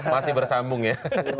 masih bersambung ya